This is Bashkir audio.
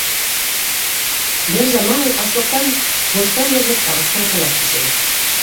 Бер заман ул, аслыҡтан һуштан яҙып, ағастан ҡолап төшә.